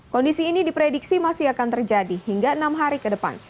kondisi ini diprediksi masih akan terjadi hingga enam hari ke depan